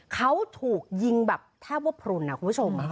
เขาถูกยิงแบบแทบว่าพลุนนะคุณผู้ชม